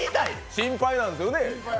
心配なんですよね？